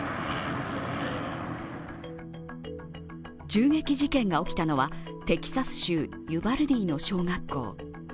銃撃事件が起きたのはテキサス州ユバルディの小学校。